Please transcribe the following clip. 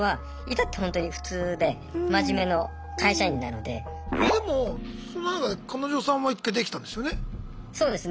えでもそんな中で彼女さんは１回できたんですよね。